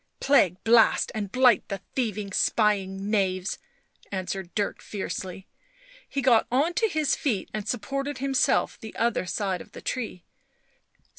" Plague blast and blight the thieving, spying knaves !" answered Dick fiercely. He got on to his feet and supported himself the other side of the tree.